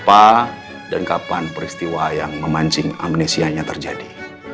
apa dan kapan peristiwa yang memancing amnesianya terjadi